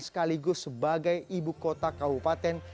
sekaligus sebagai ibu kota kabupaten